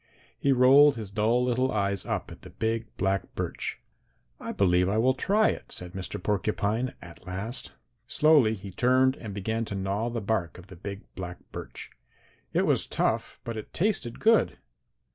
He rolled his dull little eyes up at the big black birch. 'I believe I will try it,' said Mr. Porcupine at last. "Slowly he turned and began to gnaw the bark of the big black birch. It was tough, but it tasted good.